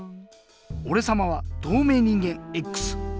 おれさまはとうめい人間Ｘ。